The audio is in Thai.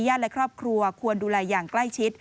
และครอบครัวควรดูแลอย่างใกล้ชิด